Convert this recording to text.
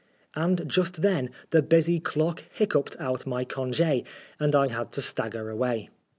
And just then the busy clock hiccoughed out my cong6, and I had to stagger away.